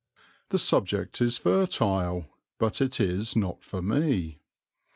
The subject is fertile; but it is not for me.